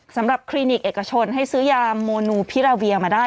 คลินิกเอกชนให้ซื้อยาโมนูพิราเวียมาได้